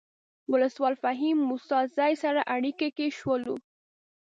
ولسوال فهیم موسی زی سره اړیکه کې شولو.